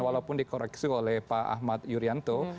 walaupun dikoreksi oleh pak ahmad yuryanto